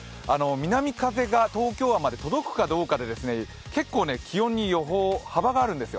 南風が東京湾まで届くかどうかで結構、気温の予報に幅があるんですよ。